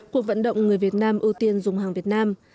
cuộc vận động người việt nam ưu tiên dùng hàng việt nam